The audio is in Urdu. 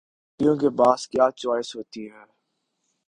بھکاریوں کے پاس کیا چوائس ہوتی ہے؟